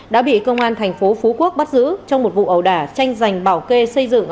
đã bị công an tp hcm bắt giữ trong một vụ ẩu đả tranh giành bảo kê xây dựng